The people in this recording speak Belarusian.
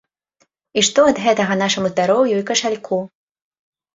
І што ад гэтага нашаму здароўю і кашальку?